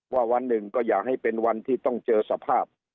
วันหนึ่งก็อยากให้เป็นวันที่ต้องเจอสภาพ